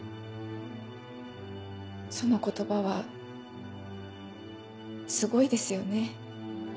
その言葉はすごいですよね。